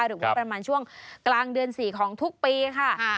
หรือว่าประมาณช่วงกลางเดือน๔ของทุกปีค่ะ